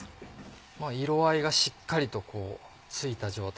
色合いがしっかりとついた状態。